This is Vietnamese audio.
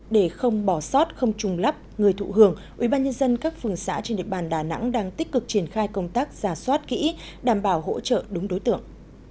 để không bỏ sót không trùng lắp người thụ hưởng ubnd các phường xã trên địa bàn đà nẵng đang tích cực triển khai công tác giả soát kỹ đảm bảo hỗ trợ đúng đối tượng